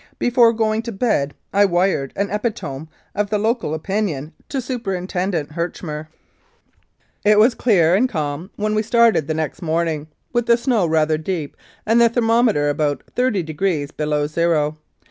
Before going to bed I wired an epitome of the local opinion to Superintendent Herchmer. 141 Mounted Police Life in Canada It was clear and calm when we started the next morning, with the snow rather deep and the thermo meter about thirty degrees below zero.